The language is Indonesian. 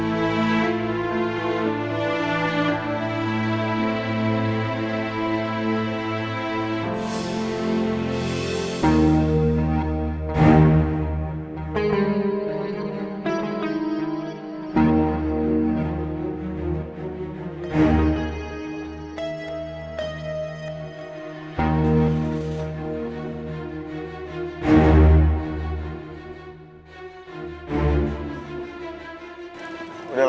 nih langgetin aja